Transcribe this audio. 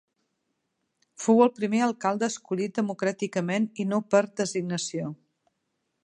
Fou el primer alcalde escollit democràticament i no per designació.